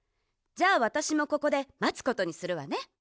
じゃあわたしもここでまつことにするわね。